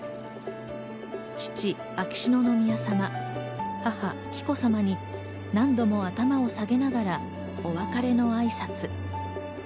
父・秋篠宮さま、母・紀子さまに何度も頭を下げながらお別れの挨拶。